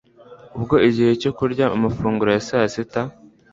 Ubwo igihe cyo kurya amafunguro ya saa sita